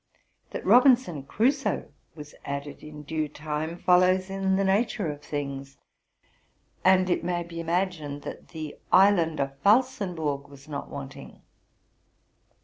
That '' Rob inson Crusoe '' was added in due time, follows in the nature of things; and it may be imagined that the 'Island of Falsenberg'' was not wanting.